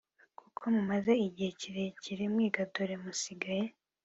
Kuko mumaze igihe kirekire mwiga dore musigaye